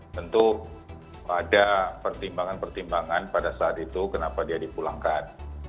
tentu ada pertimbangan pertimbangan pada saat itu kenapa dia dipulangkan